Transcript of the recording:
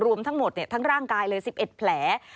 รวมทั้งหมดทั้งร่างกายเลย๑๑แผล